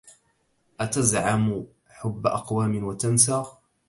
أتزعم حب أقوام وتنسى